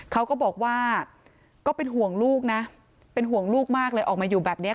เขาก็บอกว่าก็เป็นห่วงลูกนะเป็นห่วงลูกมากเลยออกมาอยู่แบบนี้